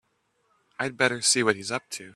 I'd better see what he's up to.